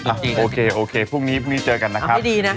อ่ะโอเคพรุ่งนี้เจอกันนะครับอ่ะไม่ดีนะ